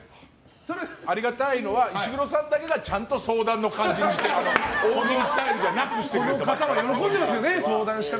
ありがたいのは石黒さんだけがちゃんと相談の感じにして大喜利スタイルじゃ相談してくれた方は喜んでいますよね。